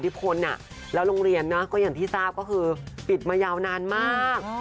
แต่อิทธิพลเนี่ยแล้วโรงเรียนนะก็อย่างที่ทราบก็คือปิดมายาวนานมาก